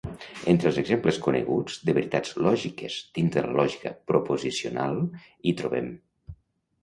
Entre els exemples coneguts de veritats lògiques dins de la lògica proposicional hi trobem.